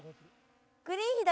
グリーン左？